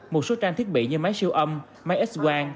một số trang thiết bị như máy siêu âm máy x quang